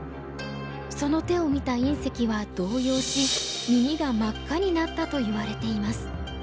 その手を見た因碩は動揺し耳が真っ赤になったといわれています。